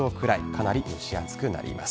かなり蒸し暑くなります。